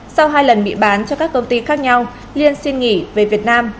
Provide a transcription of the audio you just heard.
sau hai lần bị bán cho các công ty khác nhau liên xin nghỉ về việt nam